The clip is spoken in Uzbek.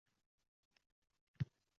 Xoʻrozlarday davra aylana boshladik.